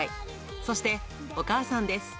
そして、お母さんです。